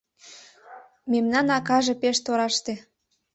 Мемнан акаже пеш тораште